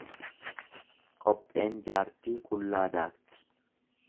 Qopheen jaartii qullaa daakti.